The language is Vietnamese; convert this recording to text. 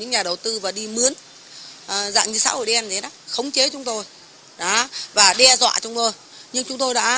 những nhà đầu tư ở nha trang cũng đã đưa bản hiệu lên khai trương hoặc là mở một văn phòng chi nhánh nào đó thì em cũng nghĩ nó hoạt động rất là bình thường hiệu quả trong vòng mắt